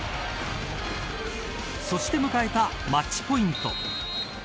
そして迎えたマッチポイント。